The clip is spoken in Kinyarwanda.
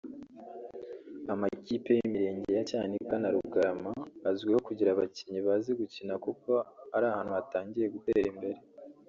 Amakipe y’imirenge ya Cyanika na Rugarama azwiho kugira abakinnyi bazi gukina kuko iri ahantu hatangiye gutera imbere